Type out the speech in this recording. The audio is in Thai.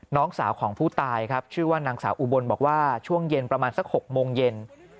น้องสาวของผู้ตายครับชื่อว่านางสาวอุบลบอกว่าช่วงเย็นประมาณสัก๖โมงเย็น